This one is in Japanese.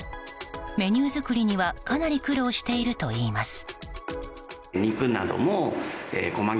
メニュー作りにはかなり苦労しているといいます。